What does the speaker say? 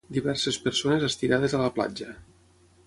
Diverses persones estirades a la platja